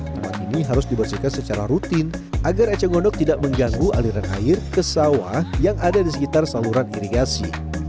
tempat ini harus dibersihkan secara rutin agar eceng gondok tidak mengganggu aliran air ke sawah yang ada di sekitar saluran irigasi